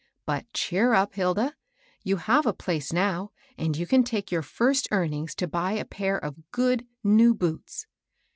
" But cheer up, Hilda. You have a place now, and you can take your first earnings to buy a pair of good, new boots."